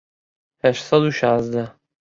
هەشت سەد و شازدە